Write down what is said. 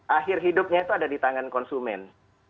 akhir hidupnya itu ada di tangan konsumen